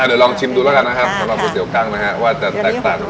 มาดูรองชิมดูแล้วกันครับสำหรับก๋วยเตี๋ยวกั้งนะครับ